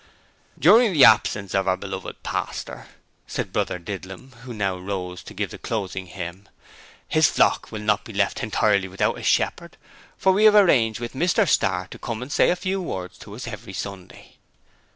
'During the absence of our beloved pastor,' said Brother Didlum, who now rose to give out the closing hymn, 'his flock will not be left hentirely without a shepherd, for we 'ave arranged with Mr Starr to come and say a Few Words to us hevery Sunday.'